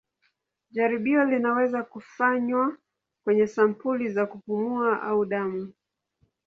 Jaribio linaweza kufanywa kwenye sampuli za kupumua au damu.